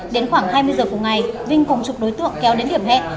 đến khoảng hai mươi h của ngày vinh cùng chục đối tượng kéo đến điểm hẹn